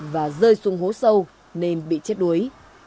và rơi xuống hố sâu nên bị chết đuối